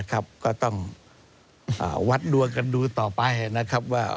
ก็ต้องวัดดวงกันดูต่อไปนะครับว่า